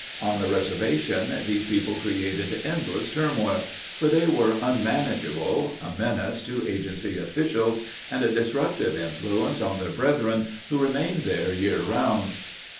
On the reservation these people created endless turmoil, for they were un manageable, a menace to agency officials, and a disruptive influence on their brethren who remained there year around.